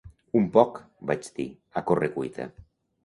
"Un poc", vaig dir, a correcuita.